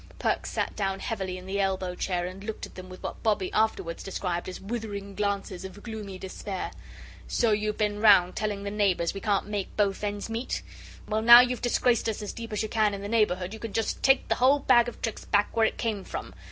Perks sat down heavily in the elbow chair and looked at them with what Bobbie afterwards described as withering glances of gloomy despair. "So you've been round telling the neighbours we can't make both ends meet? Well, now you've disgraced us as deep as you can in the neighbourhood, you can just take the whole bag of tricks back w'ere it come from.